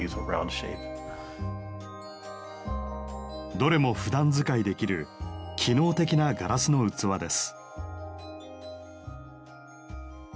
どれもふだん使いできる機能的なガラスの器です。